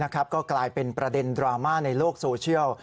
ก็กลายเป็นประเด็นดราม่าในโลกโซเชียล